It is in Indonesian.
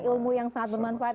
ilmu yang sangat bermanfaat